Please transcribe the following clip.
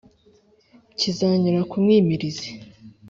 Zikanyura ku mwimirizi;